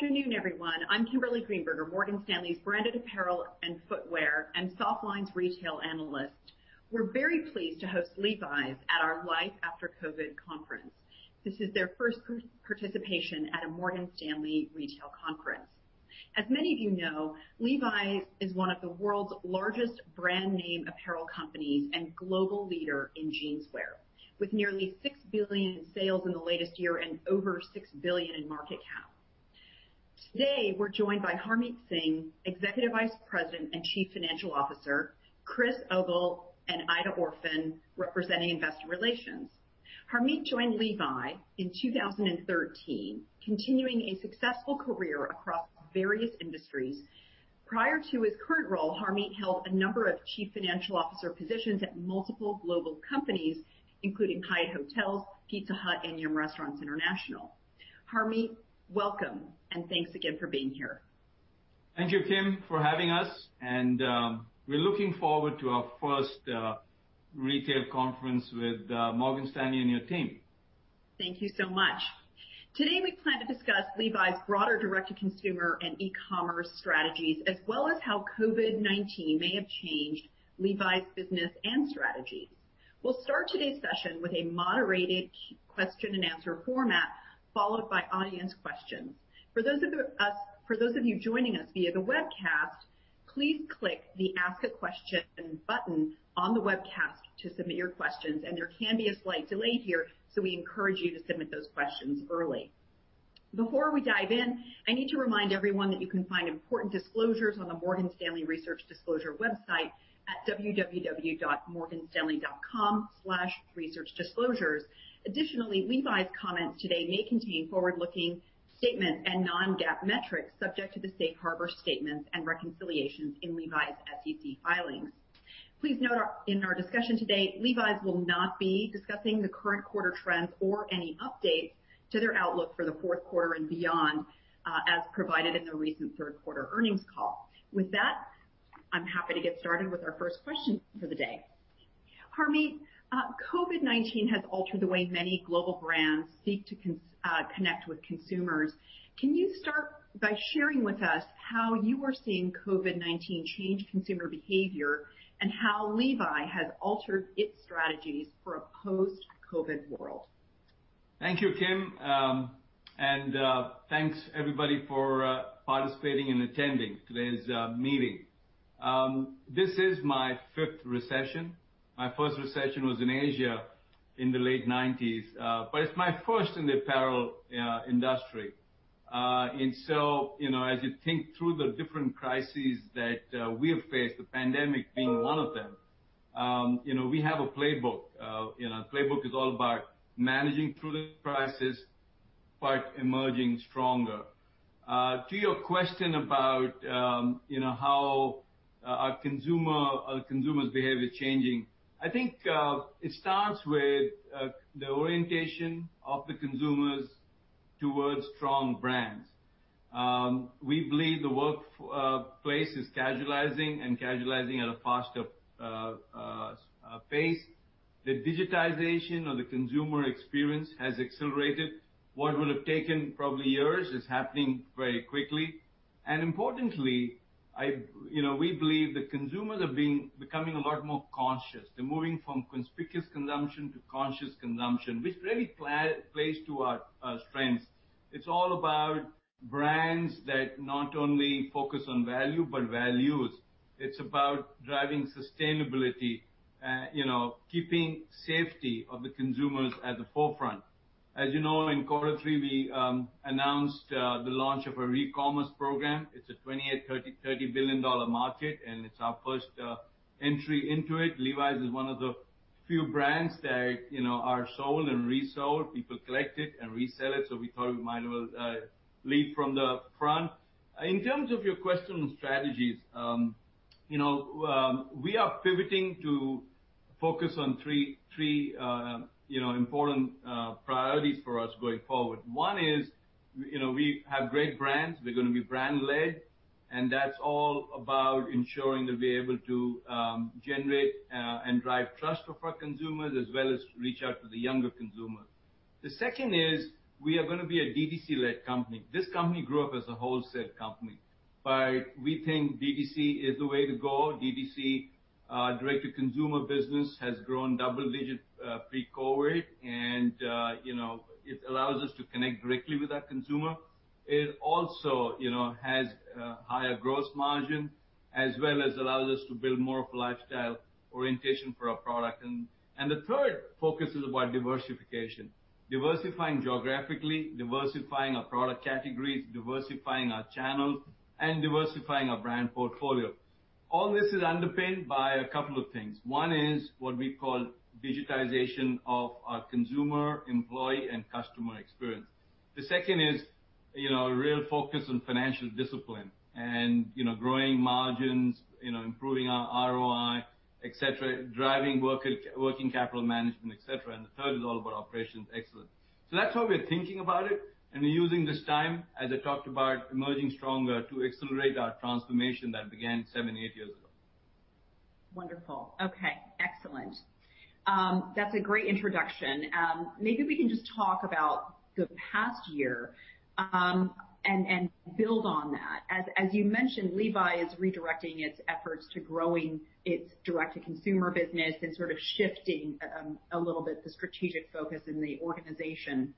Good afternoon, everyone. I'm Kimberly Greenberger, Morgan Stanley's branded apparel and footwear and softlines retail analyst. We're very pleased to host Levi's at our Life After COVID conference. This is their first participation at a Morgan Stanley retail conference. As many of you know, Levi's is one of the world's largest brand name apparel companies and global leader in jeanswear. With nearly $6 billion in sales in the latest year and over $6 billion in market cap. Today, we're joined by Harmit Singh, Executive Vice President and Chief Financial Officer, Chris Ogle and Aida Orphan, representing investor relations. Harmit joined Levi in 2013, continuing a successful career across various industries. Prior to his current role, Harmit held a number of chief financial officer positions at multiple global companies, including Hyatt Hotels, Pizza Hut, and Yum! Restaurants International. Harmit, welcome, thanks again for being here. Thank you, Kim, for having us, and we're looking forward to our first retail conference with Morgan Stanley and your team. Thank you so much. Today we plan to discuss Levi's broader direct-to-consumer and e-commerce strategies, as well as how COVID-19 may have changed Levi's business and strategies. We'll start today's session with a moderated question and answer format, followed by audience questions. For those of you joining us via the webcast, please click the Ask a Question button on the webcast to submit your questions. There can be a slight delay here, so we encourage you to submit those questions early. Before we dive in, I need to remind everyone that you can find important disclosures on the Morgan Stanley Research Disclosure website at www.morganstanley.com/researchdisclosures. Additionally, Levi's comments today may contain forward-looking statements and non-GAAP metrics subject to the safe harbor statements and reconciliations in Levi's SEC filings. Please note in our discussion today, Levi's will not be discussing the current quarter trends or any updates to their outlook for the fourth quarter and beyond, as provided in the recent third-quarter earnings call. With that, I'm happy to get started with our first question for the day. Harmit, COVID-19 has altered the way many global brands seek to connect with consumers. Can you start by sharing with us how you are seeing COVID-19 change consumer behavior and how Levi has altered its strategies for a post-COVID world? Thank you, Kim. Thanks, everybody, for participating and attending today's meeting. This is my fifth recession. My first recession was in Asia in the late 1990s. It's my first in the apparel industry. As you think through the different crises that we have faced, the pandemic being one of them, we have a playbook. Our playbook is all about managing through the crisis, but emerging stronger. To your question about how are consumers' behavior changing. I think it starts with the orientation of the consumers towards strong brands. We believe the workplace is casualizing and casualizing at a faster pace. The digitization of the consumer experience has accelerated. What would have taken probably years is happening very quickly. Importantly, we believe that consumers are becoming a lot more conscious. They're moving from conspicuous consumption to conscious consumption, which really plays to our strengths. It's all about brands that not only focus on value, but values. It's about driving sustainability, keeping safety of the consumers at the forefront. As you know, in quarter three, we announced the launch of our recommerce program. It's a $28 billion, $30 billion market, and it's our first entry into it. Levi's is one of the few brands that are sold and resold. People collect it and resell it. We thought we might as well lead from the front. In terms of your question on strategies. We are pivoting to focus on three important priorities for us going forward. One is, we have great brands. We're going to be brand led, and that's all about ensuring that we're able to generate and drive trust for our consumers, as well as reach out to the younger consumer. The second is, we are going to be a D2C-led company. This company grew up as a wholesale company. We think D2C is the way to go. D2C, direct-to-consumer business, has grown double digits pre-COVID, and it allows us to connect directly with our consumer. It also has a higher gross margin as well as allows us to build more of a lifestyle orientation for our product. The third focus is about diversification. Diversifying geographically, diversifying our product categories, diversifying our channels, and diversifying our brand portfolio. All this is underpinned by a couple of things. One is what we call digitization of our consumer, employee, and customer experience. The second is a real focus on financial discipline and growing margins, improving our ROI, et cetera, driving working capital management. The third is all about operations excellence. That's how we're thinking about it, and we're using this time, as I talked about, emerging stronger to accelerate our transformation that began seven, eight years ago. Wonderful. Okay. Excellent. That's a great introduction. Maybe we can just talk about the past year, and build on that. As you mentioned, Levi is redirecting its efforts to growing its direct-to-consumer business and sort of shifting a little bit the strategic focus in the organization.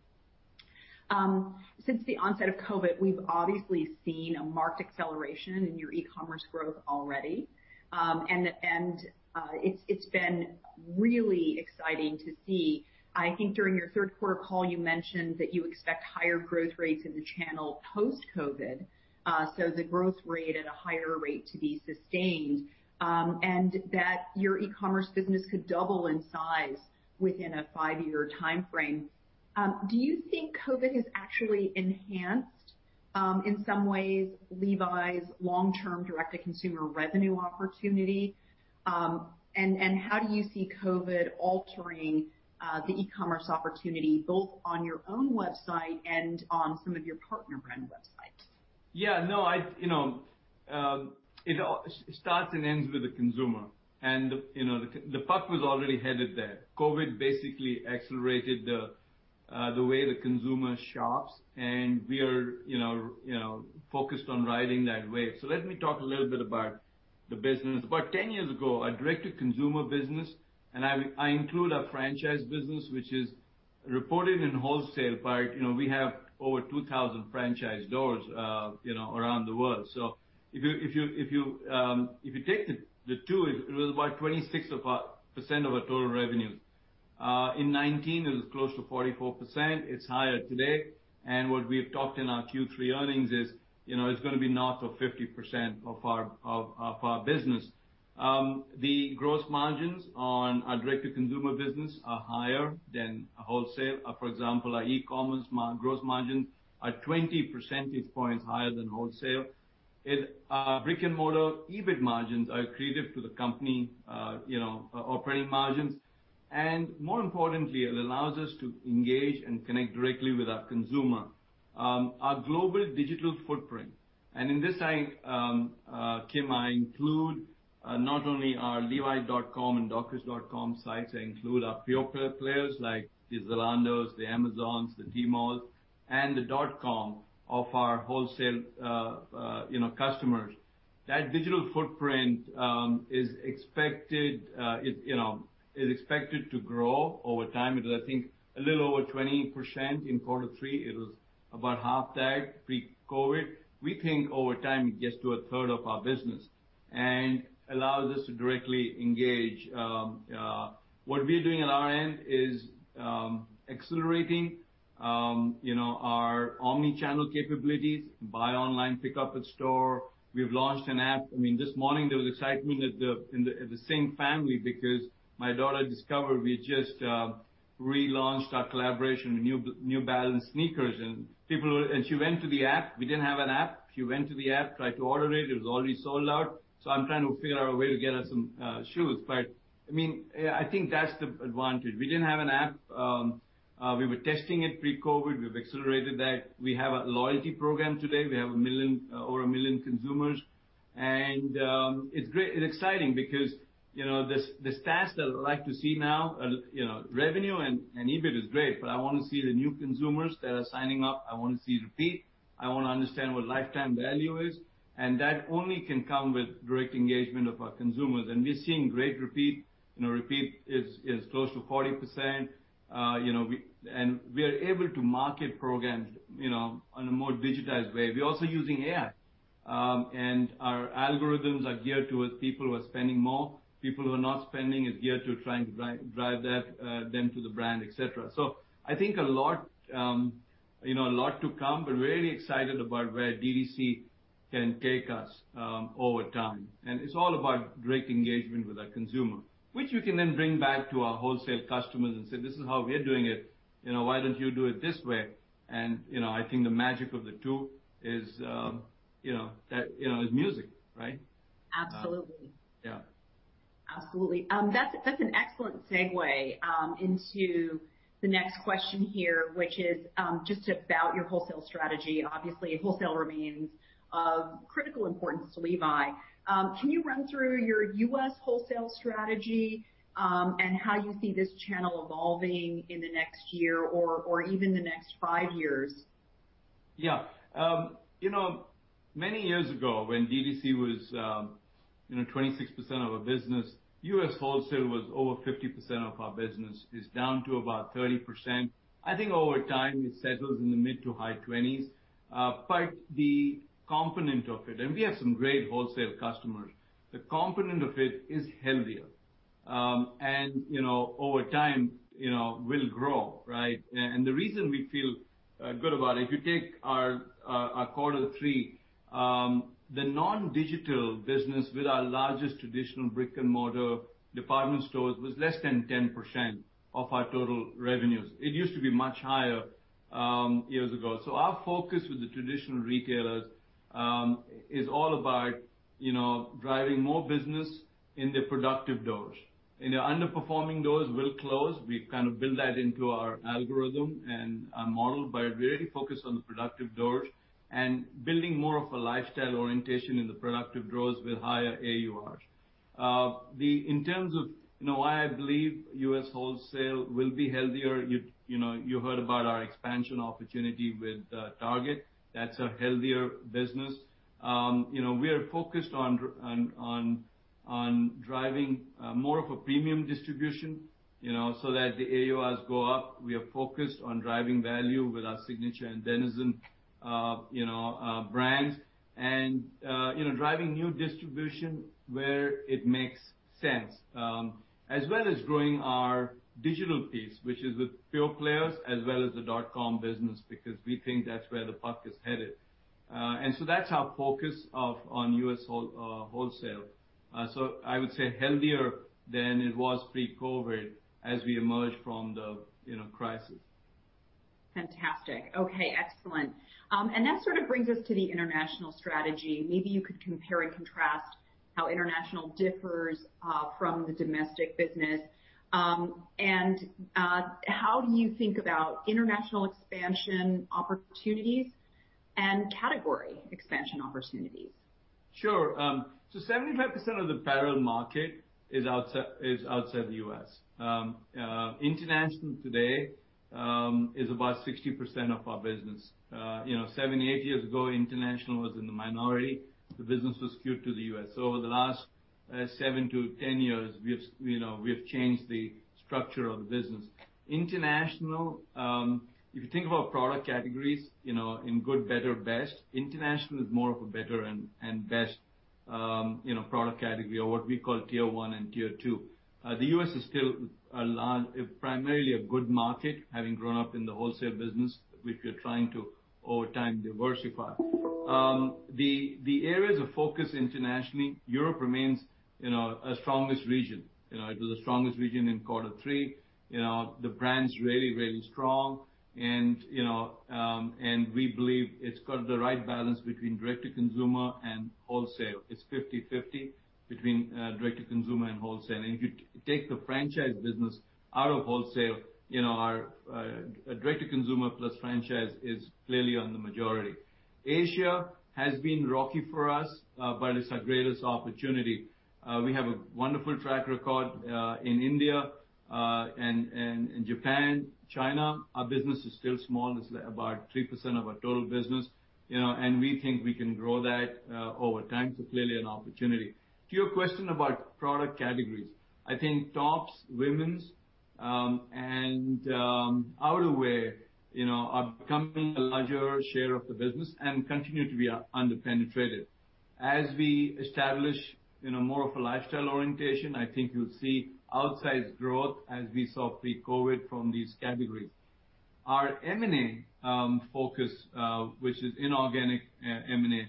Since the onset of COVID, we've obviously seen a marked acceleration in your e-commerce growth already. It's been really exciting to see. I think during your third quarter call, you mentioned that you expect higher growth rates in the channel post-COVID, so the growth rate at a higher rate to be sustained, and that your e-commerce business could double in size within a five-year timeframe. Do you think COVID has actually enhanced, in some ways, Levi's long-term direct-to-consumer revenue opportunity? How do you see COVID altering the e-commerce opportunity, both on your own website and on some of your partner brand websites? Yeah. It starts and ends with the consumer. The puck was already headed there. COVID basically accelerated the way the consumer shops, and we are focused on riding that wave. Let me talk a little bit about the business. About 10 years ago, our direct-to-consumer business, and I include our franchise business, which is reported in wholesale, but we have over 2,000 franchise doors around the world. If you take the two, it was about 26% of our total revenues. In 2019, it was close to 44%. It's higher today. What we have talked in our Q3 earnings is, it's going to be north of 50% of our business. The gross margins on our direct-to-consumer business are higher than wholesale. For example, our e-commerce gross margins are 20 percentage points higher than wholesale. In brick-and-mortar, EBIT margins are accretive to the company operating margins. More importantly, it allows us to engage and connect directly with our consumer. Our global digital footprint, in this, Kim, I include not only our levi.com and dockers.com sites, I include our pure players like the Zalandos, the Amazons, the Tmall, and the .com of our wholesale customers. That digital footprint is expected to grow over time. It was, I think, a little over 20% in quarter three. It was about half that pre-COVID. We think over time it gets to a third of our business and allows us to directly engage. What we are doing on our end is accelerating our omni-channel capabilities, buy online, pick up at store. We've launched an app. This morning there was excitement in the same family because my daughter discovered we just relaunched our collaboration with New Balance sneakers. She went to the app we didn't have an app she went to the app, tried to order it it was already sold out. I'm trying to figure out a way to get her some shoes. I think that's the advantage we didn't have an app we were testing it pre-COVID we've accelerated that. We have a loyalty program today we have over a million consumers. It's exciting because the stats that I like to see now, revenue and EBIT is great, but I want to see the new consumers that are signing up. I want to see repeat. I want to understand what lifetime value is, and that only can come with direct engagement of our consumers. We're seeing great repeat. Repeat is close to 40%. We are able to market programs on a more digitized way. We're also using AI. Our algorithms are geared towards people who are spending more. People who are not spending is geared to trying to drive them to the brand, et cetera. I think a lot to come, but very excited about where DTC can take us over time. It's all about direct engagement with our consumer, which we can then bring back to our wholesale customers and say, "This is how we are doing it. Why don't you do it this way?" I think the magic of the two is music, right? Absolutely. Yeah. Absolutely. That's an excellent segue into the next question here, which is just about your wholesale strategy. Obviously, wholesale remains of critical importance to Levi. Can you run through your U.S. wholesale strategy, and how you see this channel evolving in the next year or even the next five years? Yeah. Many years ago when DTC was 26% of our business, US wholesale was over 50% of our business. It's down to about 30%. I think over time, it settles in the mid to high 20s. The component of it, and we have some great wholesale customers, the component of it is healthier. Over time will grow, right? The reason we feel good about it, if you take our quarter three, the non-digital business with our largest traditional brick-and-mortar department stores was less than 10% of our total revenues. It used to be much higher years ago. Our focus with the traditional retailers is all about driving more business in the productive doors. The underperforming doors will close. We kind of build that into our algorithm and our model, but we are really focused on the productive doors and building more of a lifestyle orientation in the productive doors with higher AURs. In terms of why I believe U.S. wholesale will be healthier, you heard about our expansion opportunity with Target. That's a healthier business. We are focused on driving more of a premium distribution, so that the AURs go up. We are focused on driving value with our Signature and Denizen brands, driving new distribution where it makes sense, as well as growing our digital piece, which is with pure players as well as the dotcom business, because we think that's where the puck is headed. That's our focus on U.S. wholesale. I would say healthier than it was pre-COVID as we emerge from the crisis. Fantastic. Okay, excellent. That sort of brings us to the international strategy. Maybe you could compare and contrast how international differs from the domestic business. How do you think about international expansion opportunities and category expansion opportunities? Sure. 75% of the apparel market is outside the U.S. International today is about 60% of our business. Seven, eight years ago, international was in the minority. The business was skewed to the U.S. Over the last seven to 10 years, we have changed the structure of the business. International, if you think about product categories, in good, better, best, international is more of a better and best product category, or what we call tier 1 and tier 2. The U.S. is still primarily a good market, having grown up in the wholesale business, which we're trying to, over time, diversify. The areas of focus internationally, Europe remains our strongest region. It was the strongest region in quarter three. The brand's really strong. We believe it's got the right balance between direct-to-consumer and wholesale. It's 50/50 between direct-to-consumer and wholesale. If you take the franchise business out of wholesale, our direct-to-consumer plus franchise is clearly on the majority. Asia has been rocky for us, but it's our greatest opportunity. We have a wonderful track record in India and Japan. China, our business is still small. It's about 3% of our total business, and we think we can grow that over time. Clearly an opportunity to your question about product categories, I think tops, women's, and outerwear are becoming a larger share of the business and continue to be under-penetrated. As we establish more of a lifestyle orientation, I think you'll see outsized growth as we saw pre-COVID from these categories. Our M&A focus, which is inorganic M&A,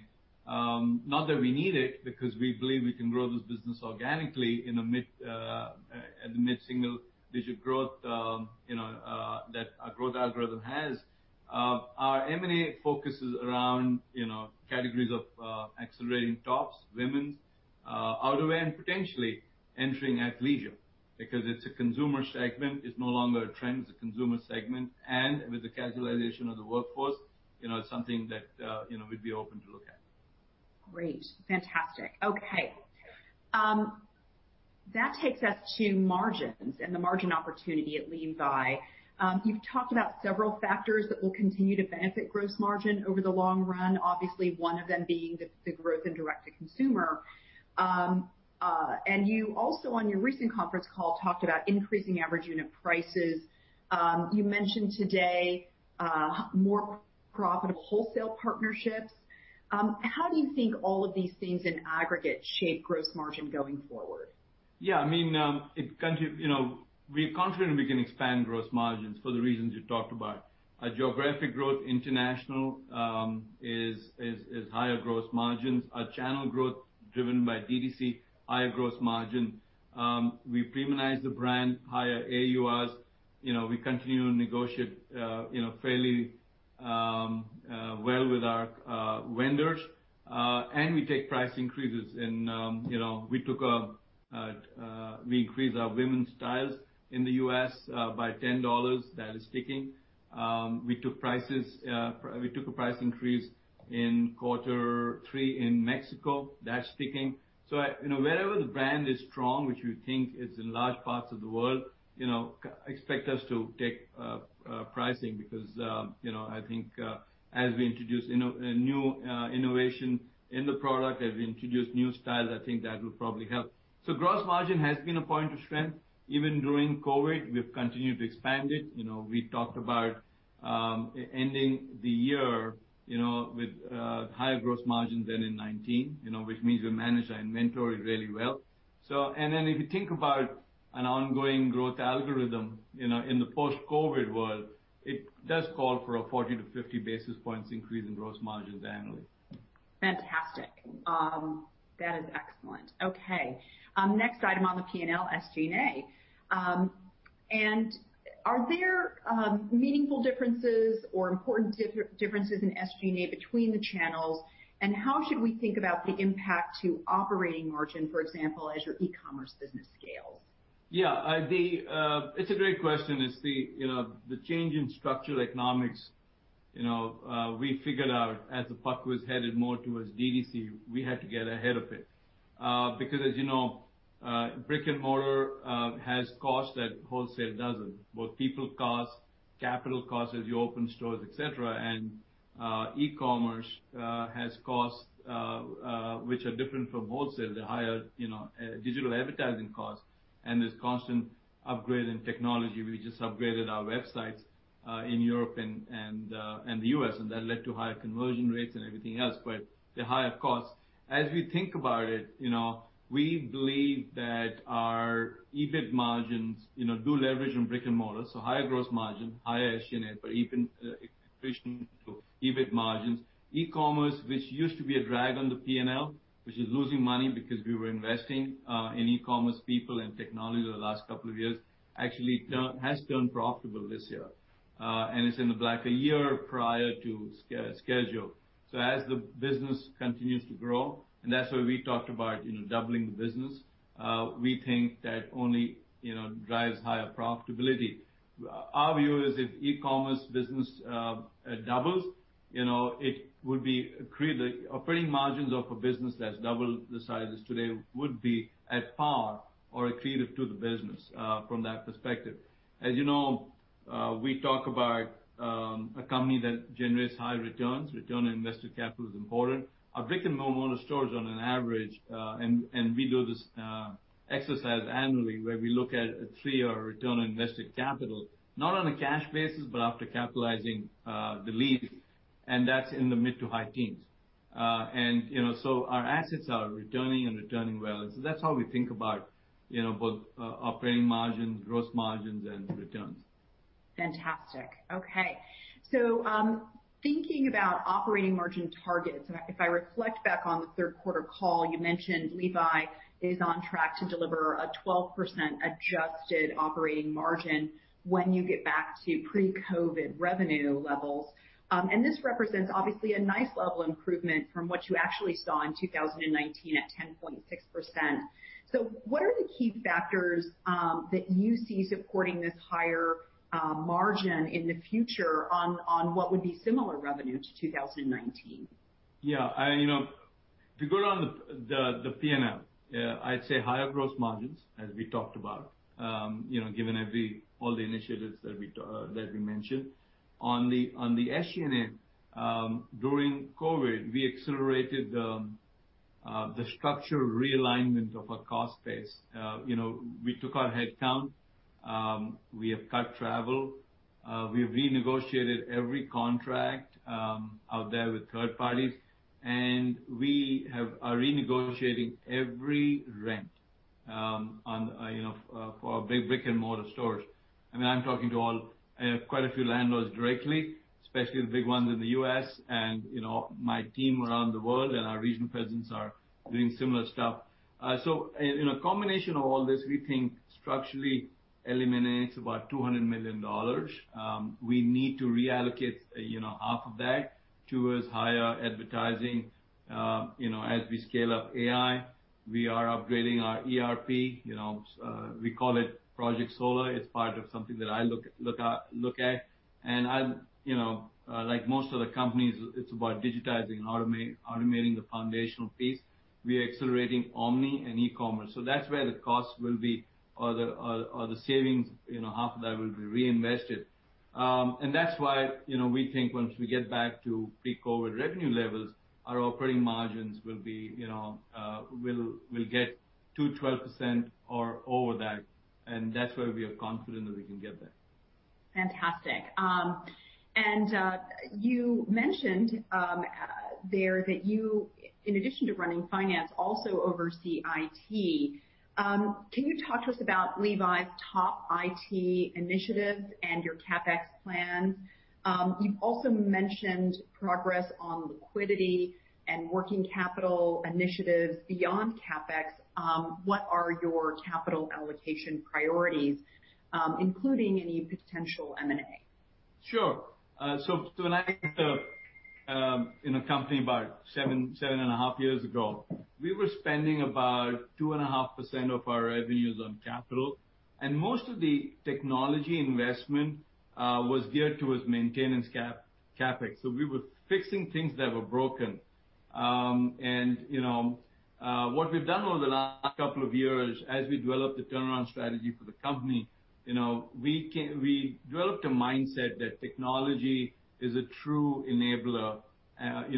not that we need it, because we believe we can grow this business organically in the mid-single digit growth that our growth algorithm has. Our M&A focus is around categories of accelerating tops, women's, outerwear, and potentially entering athleisure, because it's a consumer segment. It's no longer a trend, it's a consumer segment, and with the casualization of the workforce, it's something that we'd be open to look at. Great. Fantastic. Okay. That takes us to margins and the margin opportunity at Levi. You've talked about several factors that will continue to benefit gross margin over the long run. Obviously, one of them being the growth in direct-to-consumer. You also, on your recent conference call, talked about increasing average unit prices. You mentioned today more profitable wholesale partnerships. How do you think all of these things in aggregate shape gross margin going forward? Yeah. We're confident we can expand gross margins for the reasons you talked about. Our geographic growth international is higher gross margins. Our channel growth driven by DTC, higher gross margin. We've premiumized the brand, higher AURs. We continue to negotiate fairly well with our vendors. We take price increases and we increased our women's styles in the U.S. by $10. That is sticking. We took a price increase in quarter three in Mexico. That's sticking. Wherever the brand is strong, which we think is in large parts of the world, expect us to take pricing because I think as we introduce new innovation in the product, as we introduce new styles, I think that will probably help. Gross margin has been a point of strength. Even during COVID, we've continued to expand it. We talked about ending the year with higher gross margins than in 2019, which means we managed our inventory really well. If you think about an ongoing growth algorithm in the post-COVID world, it does call for a 40-50 basis points increase in gross margins annually. Fantastic. That is excellent. Okay. Next item on the P&L, SG&A. Are there meaningful differences or important differences in SG&A between the channels? How should we think about the impact to operating margin, for example, as your e-commerce business scales? Yeah. It's a great question. It's the change in structural economics. We figured out as the puck was headed more towards DTC, we had to get ahead of it. As you know, brick-and-mortar has costs that wholesale doesn't. Both people cost, capital cost as you open stores, et cetera, and e-commerce has costs which are different from wholesale. They're higher, digital advertising costs, and there's constant upgrade in technology. We just upgraded our websites in Europe and the U.S., and that led to higher conversion rates and everything else, but they're higher costs. As we think about it, we believe that our EBIT margins do leverage on brick-and-mortar. Higher gross margin, higher SG&A for EBIT margins. e-commerce, which used to be a drag on the P&L, which is losing money because we were investing in e-commerce people and technology over the last couple of years, actually has turned profitable this year. It's in the black a year prior to schedule. As the business continues to grow, and that's why we talked about doubling the business, we think that only drives higher profitability. Our view is if e-commerce business doubles, operating margins of a business that's double the size as today would be at par or accretive to the business from that perspective. As you know, we talk about a company that generates high returns. Return on invested capital is important. Our brick-and-mortar stores on an average, we do this exercise annually where we look at three-year return on invested capital, not on a cash basis, but after capitalizing the lease, that's in the mid to high teens. Our assets are returning well. That's how we think about both operating margins, gross margins, and returns. Fantastic. Okay. Thinking about operating margin targets, and if I reflect back on the third quarter call, you mentioned Levi's is on track to deliver a 12% adjusted operating margin when you get back to pre-COVID revenue levels. This represents obviously a nice level of improvement from what you actually saw in 2019 at 10.6%. What are the key factors that you see supporting this higher margin in the future on what would be similar revenue to 2019? To go down the P&L, I'd say higher gross margins, as we talked about, given all the initiatives that we mentioned. On the SG&A, during COVID, we accelerated the structural realignment of our cost base. We took our head count, we have cut travel, we've renegotiated every contract out there with third parties, and we are renegotiating every rent for our big brick-and-mortar stores. I'm talking to quite a few landlords directly, especially the big ones in the U.S., and my team around the world, and our regional presidents are doing similar stuff. In a combination of all this, we think structurally eliminates about $200 million. We need to reallocate half of that towards higher advertising as we scale up AI. We are upgrading our ERP. We call it Project Solar. It's part of something that I look at. Like most other companies, it's about digitizing and automating the foundational piece. We are accelerating omni and e-commerce. That's where the cost will be, or the savings, half of that will be reinvested. That's why we think once we get back to pre-COVID revenue levels, our operating margins will get to 12% or over that, and that's where we are confident that we can get there. Fantastic. You mentioned there that you, in addition to running finance, also oversee IT. Can you talk to us about Levi's top IT initiatives and your CapEx plans? You've also mentioned progress on liquidity and working capital initiatives beyond CapEx. What are your capital allocation priorities, including any potential M&A? When I in a company about seven half years ago, we were spending about 2.5% of our revenues on capital, and most of the technology investment was geared towards maintenance CapEx. We were fixing things that were broken. What we've done over the last two years as we developed the turnaround strategy for the company, we developed a mindset that technology is a true enabler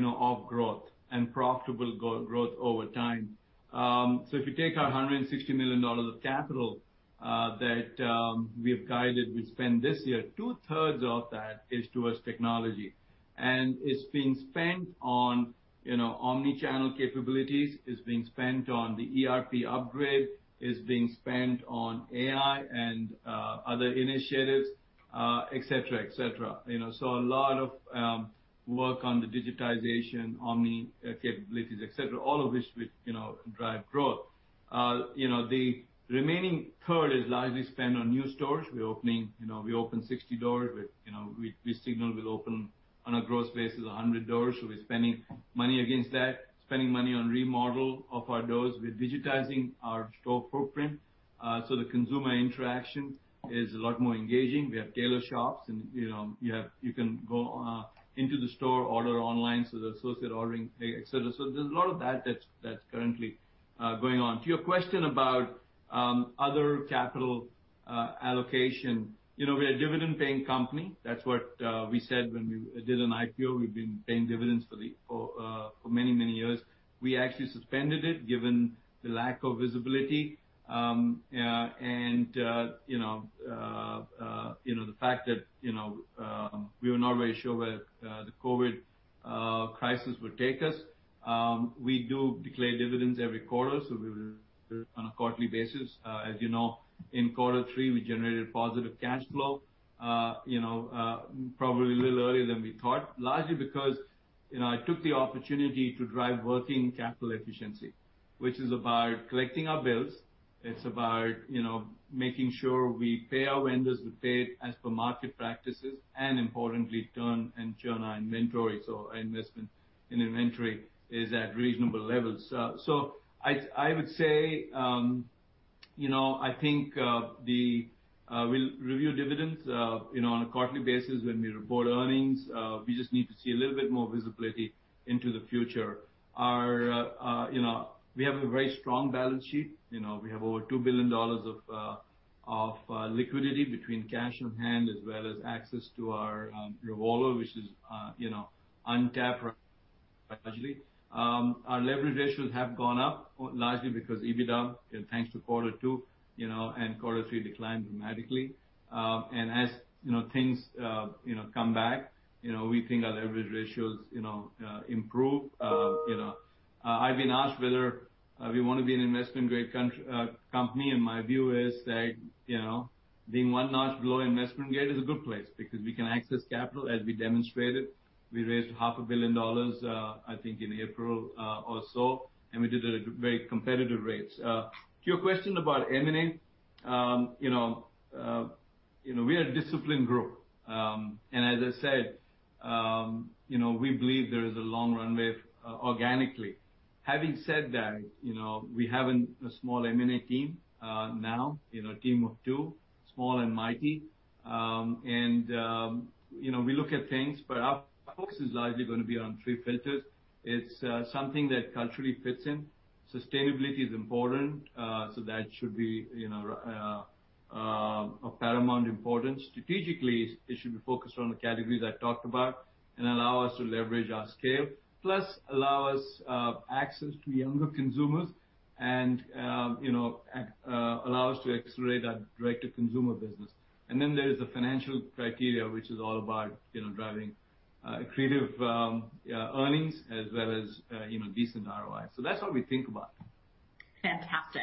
of growth and profitable growth over time. If you take our $160 million of capital that we have guided, we spend this year, two-thirds of that is towards technology. It's being spent on omni-channel capabilities, it's being spent on the ERP upgrade, it's being spent on AI and other initiatives, et cetera. A lot of work on the digitization, omni capabilities, et cetera, all of which will drive growth. The remaining third is largely spent on new stores. We opened 60 stores. We signaled we'll open on a gross basis 100 stores. We're spending money against that, spending money on remodel of our doors. We're digitizing our store footprint. The consumer interaction is a lot more engaging. We have tailor shops and you can go into the store, order online, the associate ordering, et cetera. There's a lot of that's currently going on. To your question about other capital allocation. We're a dividend-paying company. That's what we said when we did an IPO. We've been paying dividends for many, many years. We actually suspended it given the lack of visibility. The fact that we were not very sure where the COVID crisis would take us. We do declare dividends every quarter, we will on a quarterly basis. As you know, in quarter three, we generated positive cash flow, probably a little earlier than we thought. Largely because I took the opportunity to drive working capital efficiency, which is about collecting our bills. It's about making sure we pay our vendors, we pay it as per market practices, and importantly, turn and churn our inventory. Our investment in inventory is at reasonable levels. I would say, I think we'll review dividends on a quarterly basis when we report earnings. We just need to see a little bit more visibility into the future. We have a very strong balance sheet. We have over $2 billion of liquidity between cash on hand as well as access to our revolver, which is untapped largely. Our leverage ratios have gone up largely because EBITDA, thanks to quarter two, and quarter three declined dramatically. As things come back, we think our leverage ratios improve. I've been asked whether we want to be an investment-grade company, my view is that being one notch below investment grade is a good place because we can access capital as we demonstrated. We raised half a billion dollars, I think, in April or so, we did it at very competitive rates. To your question about M&A. We are a disciplined group. As I said, we believe there is a long runway organically. Having said that, we have a small M&A team now. A team of two, small and mighty. We look at things, but our focus is largely gonna be on three filters. It's something that culturally fits in. Sustainability is important, that should be of paramount importance. Strategically, it should be focused on the categories I talked about and allow us to leverage our scale. Allow us access to younger consumers and allow us to accelerate our direct-to-consumer business. There is the financial criteria, which is all about driving accretive earnings as well as decent ROI. That's what we think about. Fantastic.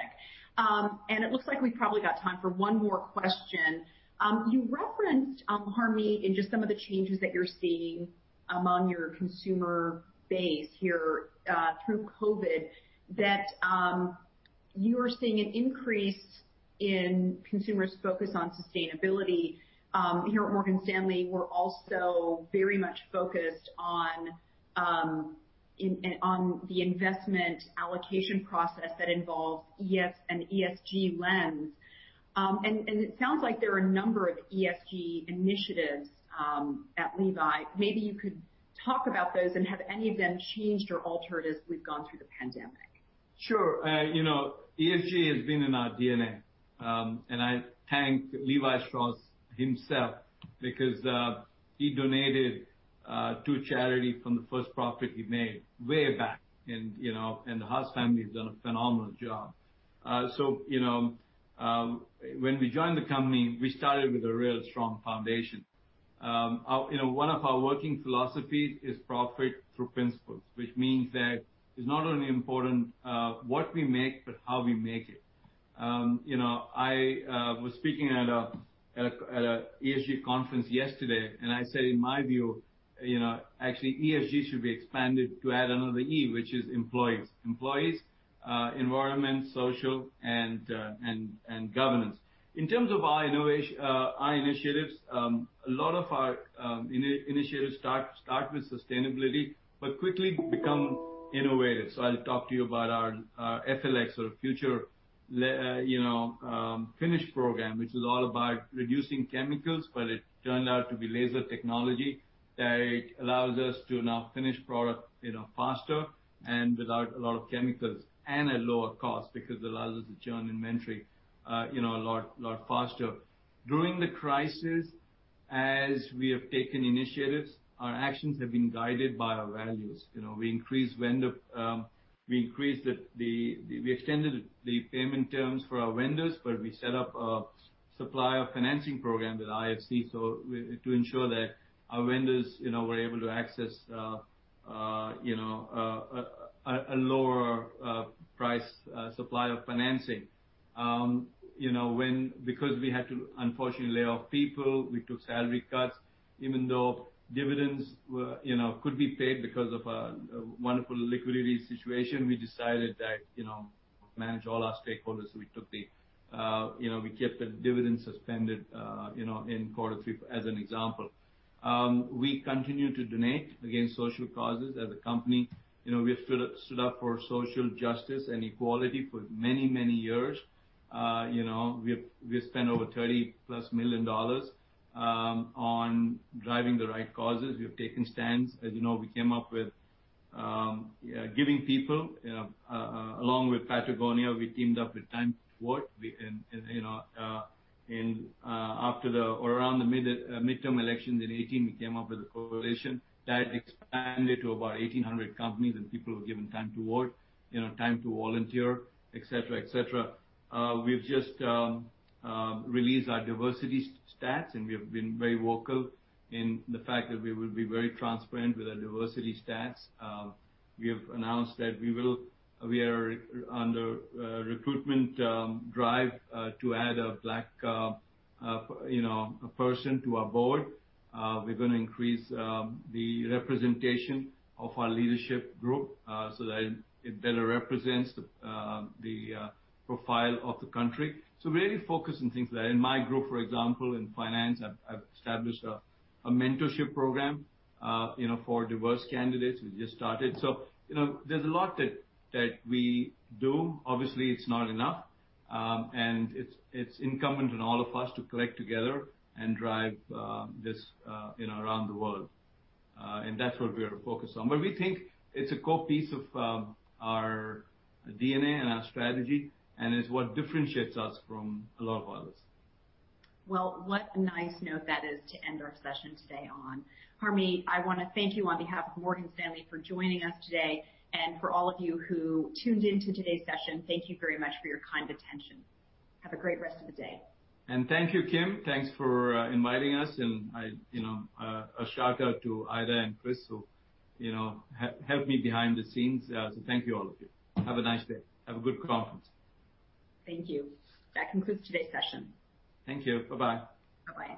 It looks like we've probably got time for one more question. You referenced, Harmit, in just some of the changes that you're seeing among your consumer base here, through COVID, that you are seeing an increase in consumers' focus on sustainability. Here at Morgan Stanley, we're also very much focused on the investment allocation process that involves ES and ESG lens. It sounds like there are a number of ESG initiatives at Levi. Maybe you could talk about those and have any of them changed or altered as we've gone through the pandemic? Sure. ESG has been in our DNA. I thank Levi Strauss himself because he donated to charity from the first profit he made way back. The Haas family has done a phenomenal job. When we joined the company, we started with a real strong foundation. One of our working philosophies is profit through principles, which means that it's not only important what we make, but how we make it. I was speaking at a ESG conference yesterday, and I said, in my view, actually ESG should be expanded to add another E, which is employees. Employees, environment, social, and governance. In terms of our initiatives, a lot of our initiatives start with sustainability, but quickly become innovative. I'll talk to you about our Project F.L.X. or Future Finish program, which is all about reducing chemicals, but it turned out to be laser technology that allows us to now finish product faster and without a lot of chemicals and at lower cost, because it allows us to churn inventory a lot faster. During the crisis, as we have taken initiatives, our actions have been guided by our values. We extended the payment terms for our vendors, but we set up a supplier financing program with IFC to ensure that our vendors were able to access a lower price supplier financing. We had to unfortunately lay off people, we took salary cuts, even though dividends could be paid because of a wonderful liquidity situation, we decided that, manage all our stakeholders, so we kept the dividends suspended in Q3 as an example. We continue to donate against social causes as a company. We have stood up for social justice and equality for many years. We have spent over $30+ million on driving the right causes. We have taken stands. As you know, we came up with Time to Vote, along with Patagonia, we teamed up with Time to Vote. Around the midterm elections in 2018, we came up with a coalition that expanded to about 1,800 companies and people who have given time to vote, time to volunteer, et cetera. We've just released our diversity stats. We have been very vocal in the fact that we will be very transparent with our diversity stats. We have announced that we are under recruitment drive to add a Black person to our board. We're going to increase the representation of our leadership group so that it better represents the profile of the country. We're really focused on things like that. In my group, for example, in finance, I've established a mentorship program for diverse candidates. We just started. There's a lot that we do. Obviously, it's not enough, and it's incumbent on all of us to collect together and drive this around the world. That's what we are focused on. We think it's a core piece of our DNA and our strategy, and it's what differentiates us from a lot of others. Well, what a nice note that is to end our session today on. Harmit, I want to thank you on behalf of Morgan Stanley for joining us today. For all of you who tuned into today's session, thank you very much for your kind attention. Have a great rest of the day. Thank you, Kim. Thanks for inviting us, and a shout-out to Aida and Chris who helped me behind the scenes. Thank you, all of you. Have a nice day. Have a good conference. Thank you. That concludes today's session. Thank you. Bye-bye. Bye-bye.